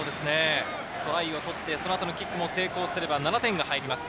トライを取って、そのあとのキックも成功すれば７点が入ります。